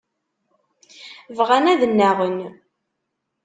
Bɣan ad nnaɣen.